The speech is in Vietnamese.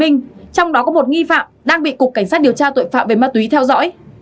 trong đó có một nghi phạm đang bị cục cảnh sát điều tra tội phạm về ma túy theo dõi